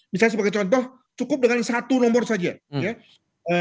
misalnya sebagai contoh cukup dengan satu nomor saja ya